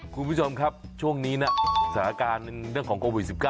คุณผู้ชมครับช่วงนี้นะสถานการณ์เรื่องของโควิด๑๙